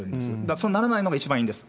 そうならないのが一番いいんです。